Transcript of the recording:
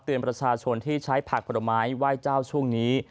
ประชาชนที่ใช้ผักผลไม้ไหว้เจ้าช่วงนี้